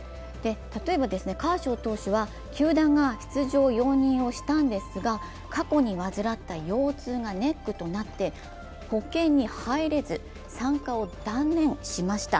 例えばカーショー投手は球団が出場容認をしたんですが、過去に患った腰痛がネックとなって保険に入れず参加を断念しました。